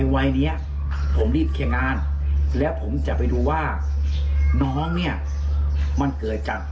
วัยเนี้ยผมรีบเคลียร์งานแล้วผมจะไปดูว่าน้องเนี่ยมันเกิดจาก